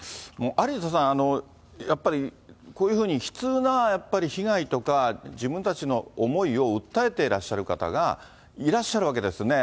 有田さん、やっぱりこういうふうに悲痛な被害とか自分たちの思いを訴えていらっしゃる方がいらっしゃるわけですね。